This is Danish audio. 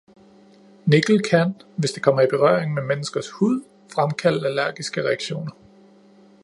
Nikkel kan, hvis det kommer i berøring med menneskers hud, fremkalde allergiske reaktioner.